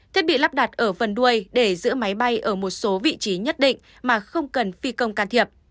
thiết bị lắp đặt ở phần đuôi để giữ máy bay ở một số vị trí nhất định mà không cần phi công can thiệp